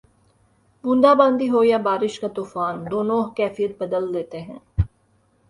بوندا باندی ہو یا بارش کا طوفان، دونوں کیفیت بدل دیتے ہیں